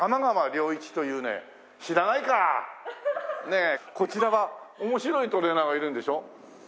ねえこちらは面白いトレーナーがいるんでしょ？